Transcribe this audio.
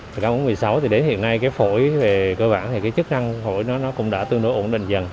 các bệnh viện bốn trăm một mươi sáu thì đến hiện nay cái phổi về cơ bản thì cái chức năng phổi nó cũng đã tương đối ổn định dần